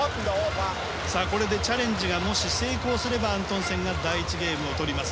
これでチャレンジがもし成功すればアントンセンが第１ゲームを取ります。